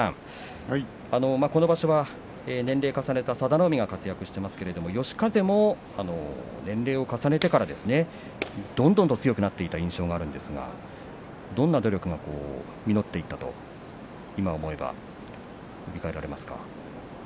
この場所は年齢を重ねた佐田の海が活躍ていますが嘉風も年齢を重ねてからどんどん強くなっていった印象があるんですが、どんな努力が実っていったと今、思えば振り替えられますか？